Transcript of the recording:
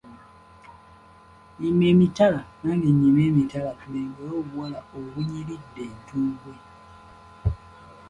Yima emitala nange nnyime emitala tulengere obuwala obunyiridde entumbwe.